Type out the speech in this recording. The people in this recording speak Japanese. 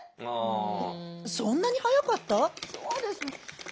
「そんなに早かった？」。